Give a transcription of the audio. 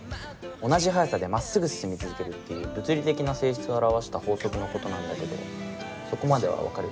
同じ速さでまっすぐ進み続けるっていう物理的な性質を表した法則のことなんだけどそこまでは分かる？